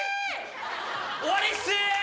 終わりっす！